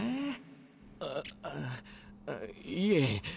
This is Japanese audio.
ああいえ。